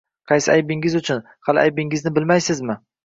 — Qaysi aybingiz uchun? Hali, aybingizni bilmaysizmi?